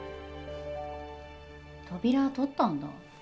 扉取ったんだ。